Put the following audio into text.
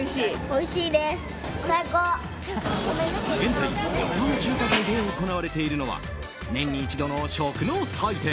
現在、横浜中華街で行われているのは年に一度の食の祭典